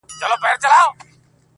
ستا د مينې ستا د عشق له برکته,